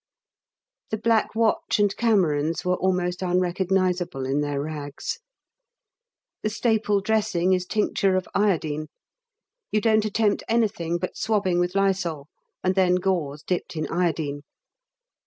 The Black Watch and Camerons were almost unrecognisable in their rags. The staple dressing is tincture of iodine; you don't attempt anything but swabbing with lysol, and then gauze dipped in iodine.